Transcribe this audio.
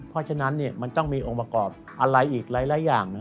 เพราะฉะนั้นมันต้องมีองค์ประกอบอะไรอีกหลายอย่าง